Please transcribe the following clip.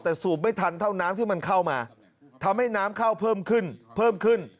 แต่สูบไม่ทันเท่าน้ำที่มันเข้ามาทำให้น้ำเข้าเพิ่มขึ้นเพิ่มขึ้น